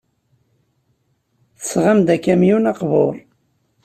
Tesɣam-d akamyun aqbur.